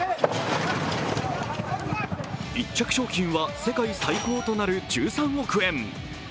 １着賞金は世界最高となる１３億円。